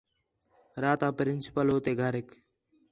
راتا پرنسپل ہو تے گھریک